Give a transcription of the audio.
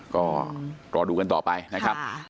ก็รอดูกันต่อไปนะครับ